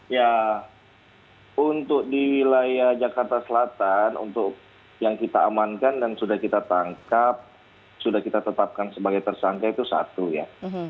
ya untuk di wilayah jakarta selatan untuk yang kita amankan dan sudah kita tangkap sudah kita tetapkan sebagai tersangka itu satu ya